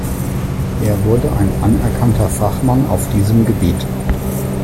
Er wurde ein anerkannter Fachmann auf diesem Gebiet.